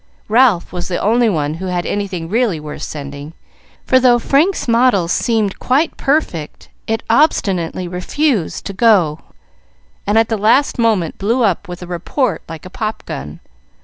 Ralph was the only one who had anything really worth sending; for though Frank's model seemed quite perfect, it obstinately refused to go, and at the last moment blew up with a report like a pop gun.